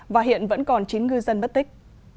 và hiện vẫn còn chín ngư dân mất tích